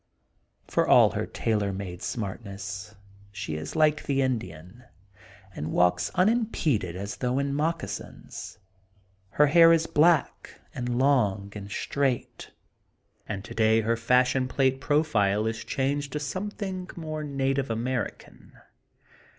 For all her tailor made smartness, she is like the Indian, and walks unimpeded as though in moccasins. Her hair is black and long and straight, and today her fashion plate profile is changed to something more native American.